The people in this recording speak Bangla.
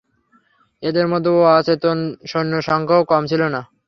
এদের মধ্যে অচেতন সৈন্যের সংখ্যাও কম ছিল না।